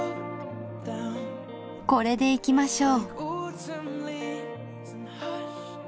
これでいきましょう。